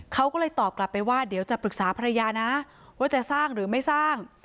เขาก็เลยตอบกลับไปว่าเดี๋ยวจะปรึกษาภรรยานะว่าจะสร้างหรือไม่สร้าง